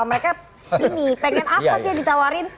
mereka ini pengen apa sih yang ditawarin